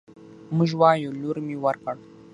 موږ وايو: لور مې ورکړ